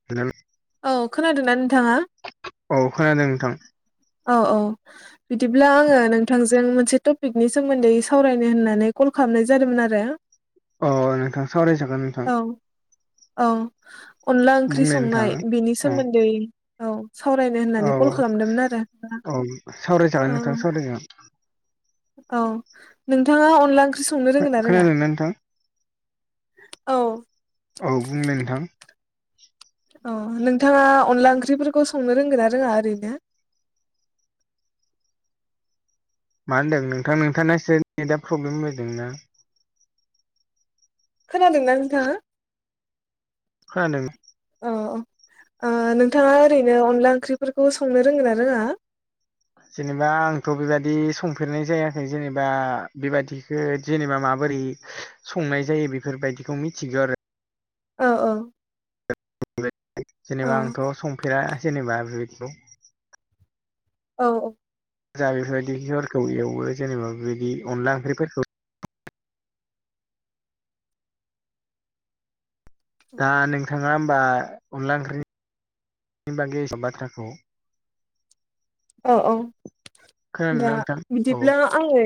ज [inaudible] औ खोनादोंना नोंथांआ औ खोनादों नोंथां औ औ बिदिब्ला आङो नोंथांजों मोनसे थपि पिकनि सोमोन्दै सावरायनो होननानै कल खालामनाय जादोंमोन आरो ओ नोंथां सावरायजागोन नोंथां औ औ अनला ओंख्रि बुंलाय संनाय नोंथाङा बेनि अ सोमोन्दै औ सावरायनो होननानै कल खालामदोंमोन आरो ओ औ सावरायजागोन नोंथां सावराय जागोन औ नोंथांआ अनला ओंख्रि ओंख्रि संनो रोंङोना रोंआ खोनादोंना नोंथां औ औ बुंलाय नोंथां ओ नोंथांआ अनला ओंख्रिफोरखौ संनो रोंगोन ना रोङा ओरैनो मा होनदों नोंथां नोंथांना एसे नेटआ प्रब्लेम होदों ना खोनादोंना नोंथाङा? खोनादों अ नोंथाङा ओरैनो अनला ओंख्रिफोरखौ संनो रोंङोन ना रोङा? जेनेबा आंथ' बेबादि संफेरनाय जायाखै जेनेबा बेबादिखौ जेनेबा माबोरै संनाय जायो बेफोरबायदिखौ मिथिगौ आरो औ औ [inaudible] औ जेनेबा आंथ' संफेरा जेनेबा बेबायदिखौ औ औ जा बेफोरबायदिफोरखौ एवो जेनेबा बेबायदि अनला ओंख्रिफोरखौ दा नोंथाङा होमबा अनला ओंख्रि बागै एसेबां बाथ्राखौ औ औ दा खोनादोंना नोंथां? औ बिदिब्ला आङो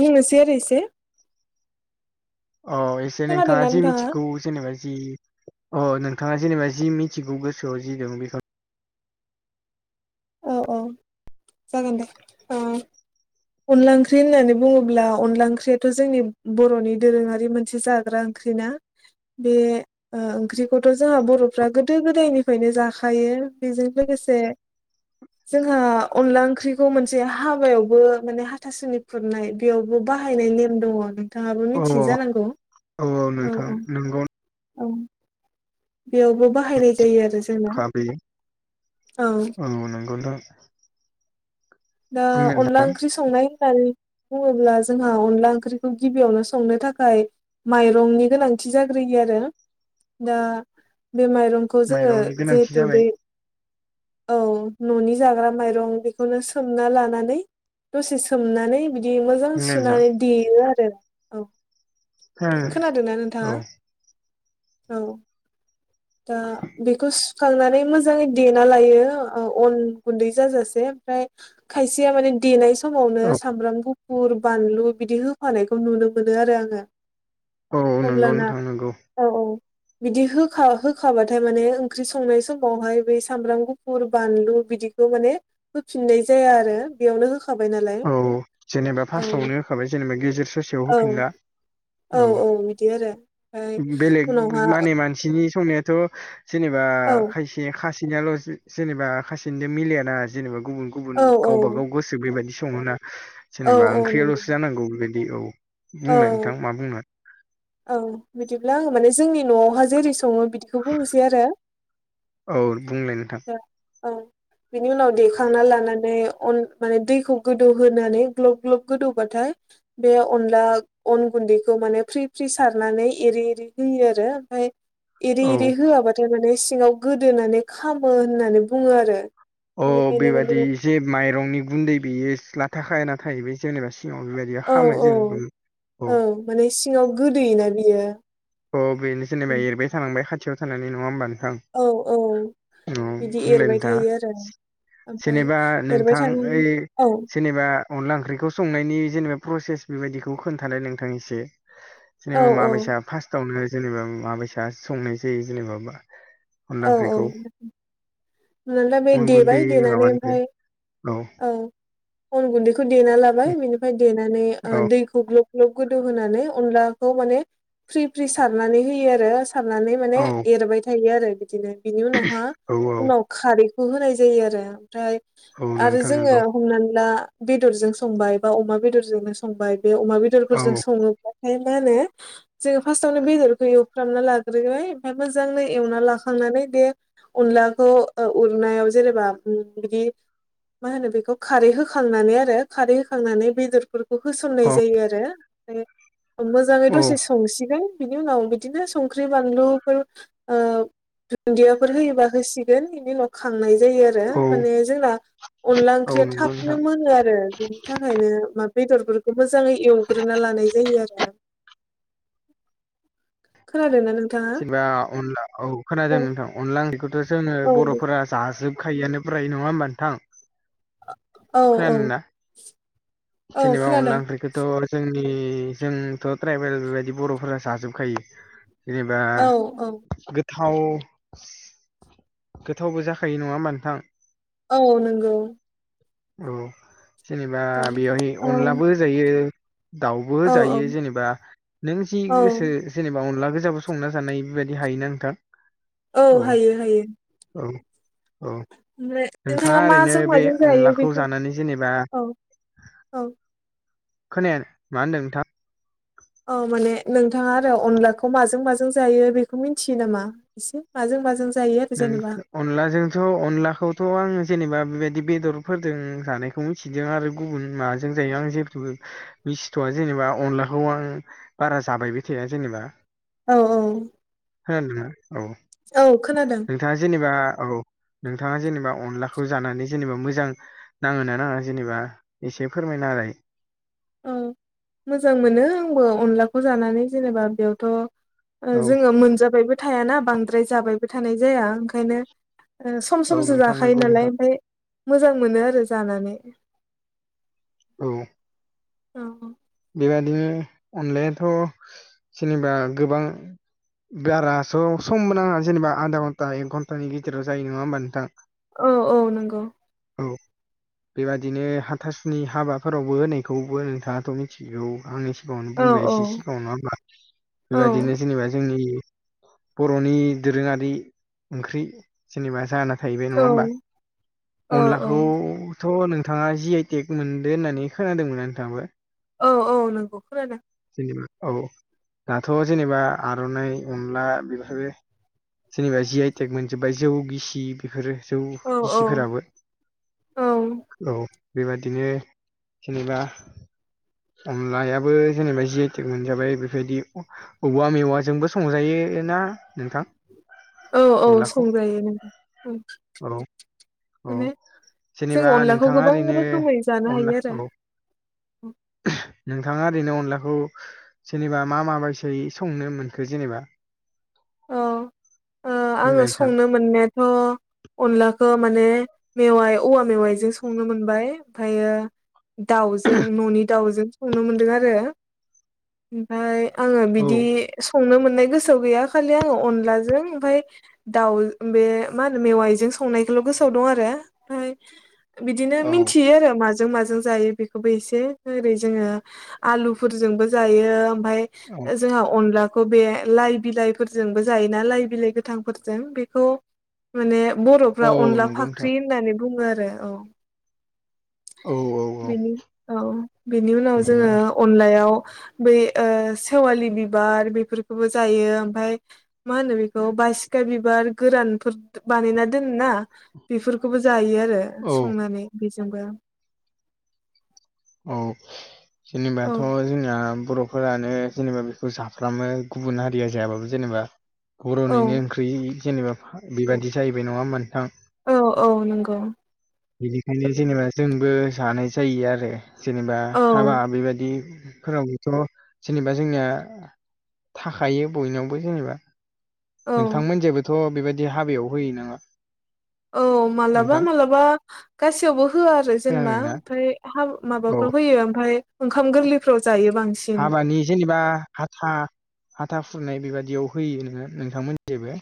बुंनोसै आरो एसे अ एसे नोंथाङा जे मिथिगौ जेनेबा जि अ नोंथाङा जेनेबा जि मिथिगौ गोसोआव जि दं बेखौ औ औ जागोन दे। ओ अनला ओंख्रि होननानै बुङोब्ला अनला ओंख्रियाथ' जोंनि बर'नि दोरोङारि मोनसे जाग्रा ओंख्रि ना बे ओंख्रिखौथ' जोंहा बर'फ्रा गोदो गोदायनिफ्रायनो जाखायो बेजों लोगोसे जोंहा अनला ओंख्रिखौ मोनसे हाबायावबो माने हाथासुनि खुरनाय बेयावबो बाहायनाय नेम दङ न नोंथाङाबो औ मिथियै जानांगौ औ औ औ बेयावबो बाहायनाय जायो आरो जोंना खाबि औ आं नंगौ दा दा अनला नोंथां ओंख्रि संनाय न बुङोब्ला जोंहा अनला ओंख्रिखौ गिबियावनो संनो थाखाय माइरंनि गोनांथि जाग्रोयो आरो दा बे माइरं जो माइरंनि गोनांथि जहेथु जाबाय बै औ न'नि जाग्रा माइरं बेखौनो सोमना लानानै दसे सोमनानै बिदि मोजां बुंलाय नोंथां सुनानै देयो आरो औ खोनादों खोनादोंना नोंथाङा। औ औ दा बेकस सुखांनानै मोजाङै देना लायो अन गुन्दै जाजासे ओमफ्राय खायसेया माने देनाय समावनो औ सामब्राम गुफ फुर बानलु बिदि होफानायखौ नुनो मोनो आरो आङो औ नंगौ अब्लाना नोंथां नंगौ औ औ बिदि होखा होखाबाथाय माने ओंख्रि संनाय समावहाय बै सामब्राम गुफुर बानलु बिदि माने फिननाय जाया आरो बेयावनो हो नालाय औ जेनेबा औ फार्स्टआवनो होखाबाय जेनेबा गेजेर ससेयाव औ होफिनला औ बिदि आरो ओमफ्राय बेलेग उनावहा माने मानसिनि संनाय थ' जेनेबा औ खायसे खासिनियाल' जेनेबा खासिनिजों मिलायाना जेनेबा गुबुन गुबुन औ औ गावबा गाव गोसो बेबायदि संहोना औ जेनेबा औ नंगौ ओंख्रियाल'सो जानांगौ दे औ बुंलाय औ नोंथां मा बुंनो औ बिदिब्ला आङ माने जोंनि न'आवहा जेरै सङो बिदि बेखौ बुंसै आरो औ बुंलाय नोंथां औ बिनि उनाव देखांना लानानै अन माने दैखौ गोदौहोनानै ग्लब ग्लब गोदौबाथाय बे अ अन गुन्दैखौ माने फ्रि फ्रि सारनानै एरि एरि होयो आरो ओमफ्राय एरै एरि औ होआबाथाय माने सिङाव गोदोनानै खामो होननानै बुङो आरो अ बेनिखायनो माने बेबादि एसेे माइरंनि गुन्दै बेयो लाथाखान थायो बे जेनेबा सिङाव बेबायदि औ खामो औ जेनेबा औ माने सिङाव गोदैयोना बियो थ' बेनो जेनेबा एरबाय थानांबाय खाथियाव थानानै नङा होमबा नोंथां। औ बिदि बुंलाय एरबाय नोथाङा। थायो आरो ओमफ्राय जेनेबा एरबाय नोंथां थानानै ओइ औ जेनेबा अनला ओंख्रिखौ संनायनि जेनेबा प्रसेस बेबायदिखौ खोन्थानाय नोंथां एसे। औ जेनेबा माबसा फार्स्टआवनो जेनेबा माबसा संनाय जायो जेनेबा अनला औ -औ। ओंख्रिखौ ना बे अन गुन्दै देबाय देनानै माबानिफ्राय ओमफ्राय औ अन गुन्दैखौ देना लाबाय बिनिफ्राय देनानै ओ औ दै गुग्लब ग्लब गोदौ होनानै अनलाखौ माने फ्रि फ्रि सारनानै होयो आरो। सारनानै माने औ एरबाय थायो आरो बिदिनो बिनि उनावहा औ उनाव खारैखौ होनाय जायो आरो ओमफ्राय औ आरो नोंथां जोङो नंगौ हमनानै ला बेदरजों संबाय बा अमा बेदरजोंनो संबाय बे अमा औ बेदरफोरजों सङोब्ला ओमफ्राय मा होनो जोङो फार्स्टावनो बेदरखौ एवफ्रामना लाग्रोयो ओमफ्राय मोजाङै एवना लाख खांनानै बे अनलाखौ ओ उननायाव जेनेबा बिदि मा होनो बेखौ खारै होखांनानै आरो खारै होखांनानै बेदरफोर बेखौ होसननाय औ जायो आरो ओमफ्राय मोजाङै औ दसे संसिगोन बिनि उनाव बिदिनो संख्रि बानलुफोर ओ दुन्दियाफोर होयोबा होसिगोन बेनि उनाव खांनाय जायो आरो। औ माने जोंना अनला औ ओंख्रिया नंगौ नोंथां थाबनो मोनो आरो। बिनि थाखायनो मा बेदरफोरखौ मोजाङै एवग्रोना लानाय जायो आरो। खोना दोंना नों जेनेबा अनला औ खोनादों नोंथां अनला [unintelligible] जोङो औ दे बर'फोरा जाजोबखायोआानो ब्राय नङा होमब नोंथां। औ औ खोनादोंना औ जेनेबा खोनादों अनला ओंख्रिखौ थ' जोंनि जोंथ' ट्राइबेल बेबायदि बर'फोरा जाजोबखायो। जेनेबा औ औ गोथाव गोथावबो जाखायो नङा होमबा नोंथां। औ नंगौ। औ जेनेबा नोंथां बेवहाय औ अनलाबो होजायो। दाउबो औ औ होजायो जेनेबा नों जि गोसो औ जेनेबा अनला गोजाबो संना जानाय बेबायदि हायोना नोंथां। औ हायो हायो औ। औ ओमफ्राय नोंथाङा मा ओरैनो जों बे माजों जायो अनलाखौ बेखौ जानानै जेनेबा औ औ। खोनाया मा होन्दों नोंथां। औ माने नोंथाङा आरो अनलाखौ माजों माजों जायो बेखौ मिथियो नामा? इसे माजों माजों जायो आरो नों जेनेबा अनलाजोंथ' अनलाखौथ' आङो जेनेबा बेबायदि बेदरफोरजों जानाय बेखौ मिथिदों आरो गुबुन माजों जायो आं जेबो मि सिथ'आ जेनेबा अनलाखौ आं बारा जाबायबाय थाया जेनेबा औ औ। खोनादोंना औ। औ खोनादों। नोंथाङा जेनेबा औ नोंथाङा जेनेबा अनलाखौ जानानै जेनेबा मोजां नाङोना नाङा जेनेबा एसे फोरमायना होलाय। औ मोजां मोनो आंबो अनलाखौ जानानै जेनेबा बेयावथ' ओ औ जोङो मोनजाबायबो थायाना बांद्राय जाबायबो थानाय जाया ओंखायनो ओ सम औ समसो नोंथां जाखायो नंगौ नालाय नोंथां ओमफफ्राय मोजां मोनो आरो जानानै औ। औ। बेबादिनो अनलायाथ' जेनेबा गोबां गारास' सम मोन नाङा जेनेबा आधा घन्टा एक घन्टानि गेजेराव जायो नङा होमबा नोंथां औ औ नंगौ औ बेबादिनो हाथासनि हाबाफोरावबो होनायखौबो नोंथाङाथ' मि थिगौ आंनि सिगाङावनो औ बुंबाय औ एसे सिगाङाव नङा होनबा औ बेबदिनो जेनेबा जोंनि बर'नि दोरोङारि ओंख्रि जेनेबा जानो थाहैबाय औ नङा होमबा औ अनलाखौ थ' नोंथाङा जि आइटेक मोनदो होननानै खोनादोंमोन नोंथाङाबो औ औ नंगौ खोनादों जेनेबा औ दाथ' जेनेबा आर'नाइ अनला बेफोरो जेनेबा जि आइटेक मोनजोब्बाय जौ गिसि बेफोरो जौ औ औ गिसिफोराबो औ औ बेबादिनो जेनेबा अनलायाबो जेनेबा जि आइटेक मोनजाबाय बेफोरबायदि औवा मेवाजोंबो संजायो ना नोंथां औ औ अनलाखौ संजायो नोंथां ओं औ औ माने जों जेनेबा अनलाखौ नोंथाङा गोबां ओरैनो रोखोमै जानो अनला हायो आरो औ नोंथाङा ओरैनो अनलाखौ जेनेबा मा माबायदियै संनो मोनखो जेनेबा औ आङो बुंलाय नोंथां संनो मोननायाथ' अनलाखौ माने मेवाइ औवा मेवाइजों संनो मोनबाय ओमफायो दाउजों न'नि दाउजों संनो मोनदों आरो ओमफाय आङो औ बिदि संनो मोननाय गोसोआव गैया खालि आङो अनलाजों ओमफाय दाउ बे मा होनो मेवाइजों संनायखौल' गोसोआव दं आरो ओमफाय बिदिनो औ मिनथियो आरो माजों माजों जायो बेखौबो एसे ओरै जोङो आलुफोरजोंबो जायो ओमफाय औ जोंहा अनलाखौ बे लाइ बिलाइफोरजोंबो जायोना लाइ बिलाइ गोथांफोरजों बेखौ माने बर'फ्रा औ अनला नंगौ नोंथां फाख्रि होननानै बुङो आरो औ औ औ औ बिनि औ बिनि उनाव जेनेबा जोङो अनलायाव बे सेवालि बिबार बेफोरखौबो जायो ओमफाय मा होनो बेखौ बासिखा बिबार गोरानफोर बानायना दोनो ना बेफोरखौबो जायो आरो औ संनानै बेजोंबो औ औ जेनेबाथ' जोंना बर' फोरानो जेनेबा बेखौ जाफ्रामो गुबुन हारिया जायाबाबो जेनेबा औ बर'निनो ओंख्रि जेनेबा बेबायदि जाहैबाय नङा होनबा नोंथां औ औ नंगौ बेनिखायनो जेनेबा जोंबो जानाय जायो आरो जेनेबा औ हाबा बेबायदि फोरावबोथ' जेनेबा जोंनिया थाखायो बयनावबो जेनेबा औ नोंथांमोन जेबोथ' बेबायदि हाबायाव होयो नामा औ मालाबा नोंथां मालाबा गासैयावबो होआ आरो जेनेबा खोनादोंना ओमफ्राय हा औ माबाफोर होयो ओमफाय ओंखाम गोरलैफ्राव जायो बांसिन हाबानि जेनेबा हाथा हाथा खुरनाय बेबादियाव होयोनो नोंथांमोनथिंबो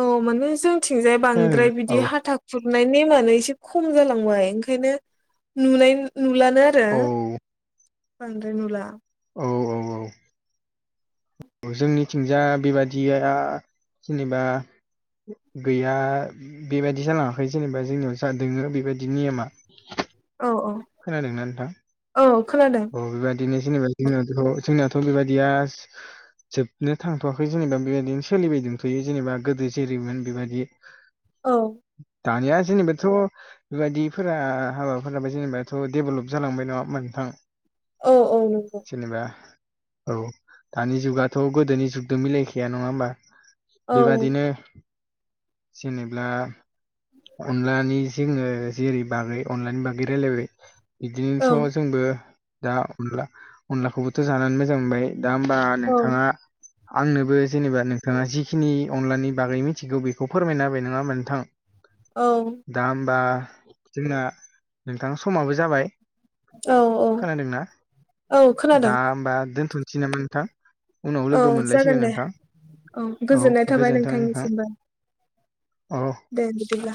औ माने जोंथिंजाय खोनादों बांद्राय बिदि औ हाथा जबनाय नेमानो एसे खम जालांबाय ओंखायनो नुनाय नुलानो आरो औ बांद्राय नुला औ औ औ औ जोंनिथिंजाय बेबादिया जेनेबा गैया बेबायदि जालाङाखै जेनेबा जोंनियाव दोङो बेबायदि नियमा औ औ खोनादोंना नोंथां औ खोनादों औ बेबाय दिनो जेनेबा जों बेखौ जोंनियावथ' बेबादिया जोबनो थांथ'वाखै जेनेबा बेबायदिनो सोलिबाय दोनथ'यो जेनेबा गोदो जेरैमोन बेबादि औ दानिया जेनेबाथ' बेबायदिफोरा हाबाफोराबो जेनेबा थ' डेभेलप जालांबाय नङा होमबा नोंथां। औ औ नंगौ जेनेबा औ दानि जुगाथ' गोदोनि जुगजों मिलायखाया नङा होमबा औ बेबादिनो जेनेब्ला अनलानि जोंङो जेरै बागै अनलानि बागै रायलायबाय औ बिदिनोथ' जोंबो दा अनला अनलाखौबो थ जाना मोजां मोनबाय दा ओमबा नोंथाङा आंनोबो जेनेबा नोंथाङा जिखिनि अनलानि बागै मिथिगौ बेखौ फोरमायना होबाय नङा होमबा नोंथां। औ दा होमबा जोंना नोंथां समाबो जाबाय औ औ खोनादोंना औ दा खोनादों होमबा दोनथ'नोसै नामा नोंथां। उनाव औ लोगो जागोन मोनलायसिगोन दे नोंथां औ गोजोननाय थाबाय गोजोनथों नोंथां नोंथांनिसिमबो औ दे बिदिब्ला